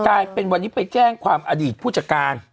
กลายเป็นวันนี้ไปแจ้งความอดีตผู้จัดการ